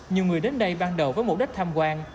nhiều người đến đây ban đầu với mục đích tham quan